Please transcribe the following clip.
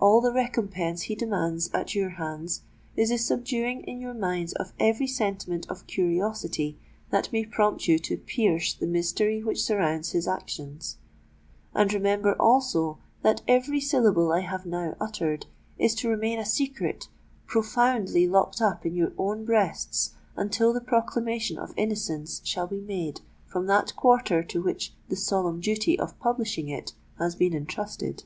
All the recompense he demands at your hands is the subduing in your minds of every sentiment of curiosity that may prompt you to pierce the mystery which shrouds his actions; and remember also that every syllable I have now uttered, is to remain a secret profoundly locked up in your own breasts until the proclamation of innocence shall be made from that quarter to which the solemn duty of publishing it has been entrusted."